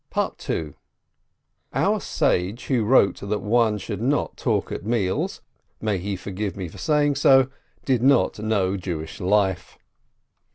II Our sage who wrote that one should not talk at meals (may he forgive me for saying so !) did not know Jewish life.